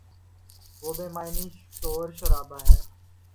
وہ بے معنی شور شرابہ ہے۔